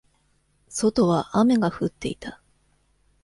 外は雨が降っていた。